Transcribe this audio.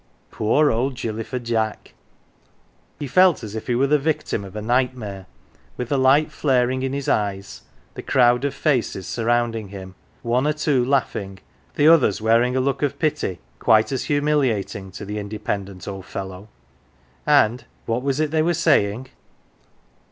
Poor old Gilly fer Jack ! He felt as if he were the victim of a nightmare, with the light flaring in his eyes, the crowd of faces surrounding him, one or two laughing, the others wearing a look of pity quite as humiliating to the independent old fellow. And what was it they were saying